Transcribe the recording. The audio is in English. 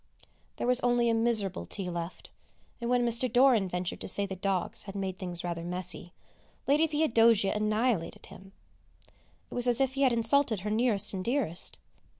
There was only a miserable tea left, and, when Mr. Doran ventured to say the dogs had made things rather messy, Lady Theodosia annihilated him. It was as if he had insulted her nearest and dearest!